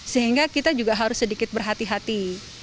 sehingga kita juga harus sedikit berhati hati